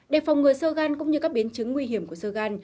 đề phòng ngừa sơ gan cũng như các biến chứng nguy hiểm của sơ gan